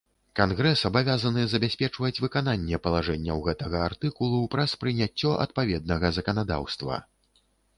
Кангрэс абавязаны забяспечваць выкананне палажэнняў гэтага артыкулу праз прыняцце адпаведнага заканадаўства.